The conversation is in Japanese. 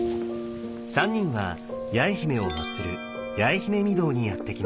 ３人は八重姫をまつる八重姫御堂にやって来ました。